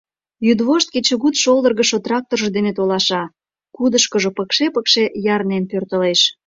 Йӱдвошт-кечыгут шолдыргышо тракторжо дене толаша, кудышкыжо пыкше-пыкше ярнен пӧртылеш.